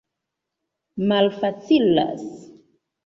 malfacilas